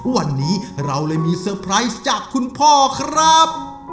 วันนี้เราเลยมีเซอร์ไพรส์จากคุณพ่อครับ